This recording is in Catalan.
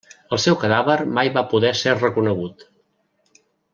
El seu cadàver mai va poder ser reconegut.